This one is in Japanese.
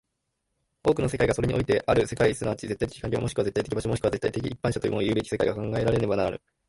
多くの世界がそれにおいてある世界即ち絶対的環境、もしくは絶対的場所、もしくは絶対的一般者ともいうべき世界が考えられねばならぬ。